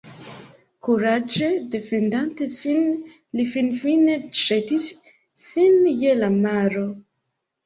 Kuraĝe defendante sin li finfine ĵetis sin je la maro.